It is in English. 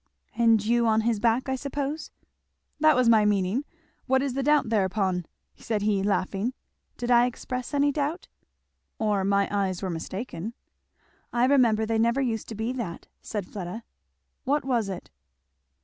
"And you on his back, I suppose?" "That was my meaning. What is the doubt thereupon?" said he laughing. "Did I express any doubt?" "Or my eyes were mistaken." "I remember they never used to be that," said Fleda. "What was it?"